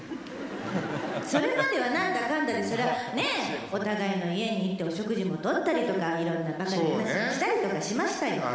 それまではなんだかんだで、そりゃねぇ、お互いの家に行って、お食事もとったりとか、いろんなばかな話をしたりとかしましたよ。